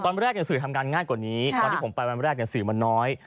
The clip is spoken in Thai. ในสื่อทำงานง่ายกว่านี้ตอนที่ผมไปวันแรกสื่อมันน้อย